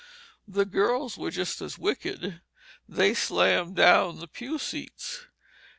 The girls were just as wicked; they slammed down the pew seats.